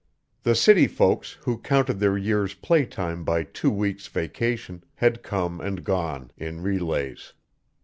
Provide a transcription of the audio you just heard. The city folks, who counted their year's playtime by two weeks' vacation, had come and gone, in relays.